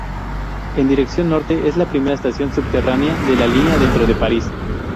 En dirección norte es la primera estación subterránea de la línea dentro de París.